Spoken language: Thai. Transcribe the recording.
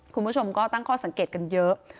คุณผู้ชมก็ตั้งข้อสังเกตกันเยอะ